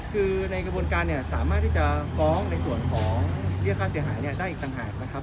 คือในกระบวนการเนี่ยสามารถที่จะฟ้องในส่วนของเรียกค่าเสียหายได้อีกต่างหากนะครับ